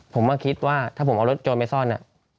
ผมมาคิดว่าถ้าผมเอารถโจรไปซ่อน